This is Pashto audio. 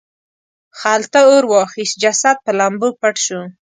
خلته اور واخیست جسد په لمبو پټ شو.